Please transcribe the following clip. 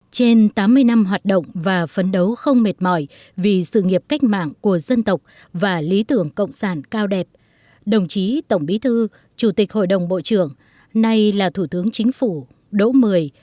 trên tám mươi năm hoạt động và phấn đấu không mệt mỏi vì sự nghiệp cách mạng của dân tộc và lý tưởng cộng sản cao đẹp đồng chí tổng bí thư chủ tịch hội đồng bộ trưởng nay là thủ tướng chính phủ đỗ mười